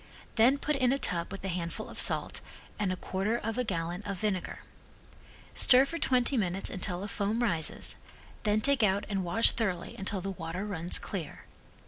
Then put in a tub with a handful of salt and a quarter of a gallon of vinegar. Stir for twenty minutes until a foam rises, then take out and wash thoroughly until the water runs clear.